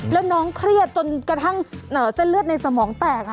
แล้วน้องเครียดจนกระทั่งเส้นเลือดในสมองแตก